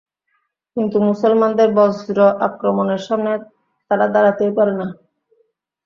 কিন্তু মুসলমানদের বজ্র আক্রমণের সামনে তারা দাঁড়াতেই পারে না।